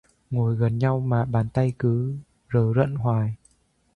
Ngồi gần nhau mà bàn tay cứ rờ rận hoài